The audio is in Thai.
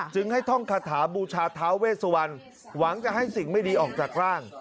จึงให้ท่องคาถาบูชาท้าเวสวันหวังจะให้สิ่งไม่ดีออกจากร่าง